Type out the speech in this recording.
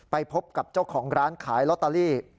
ไปพบกับเจ้าของร้านขายลอตเตอรี่